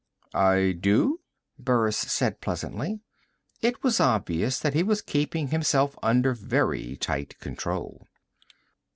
"I do?" Burris said pleasantly. It was obvious that he was keeping himself under very tight control.